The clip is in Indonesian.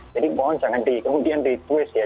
jadi mohon jangan di kemudian di twist ya